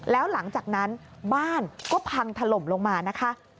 แล้วหลังจากนั้นบ้านก็พังถล่มลงมานะคะ